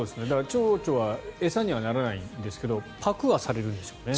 チョウチョは餌にはならないんですけどパクっはされるんでしょうね。